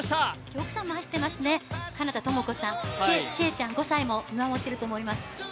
奥様を愛してますね、金田朋子さん、千笑ちゃん、娘さんも見守っていると思います。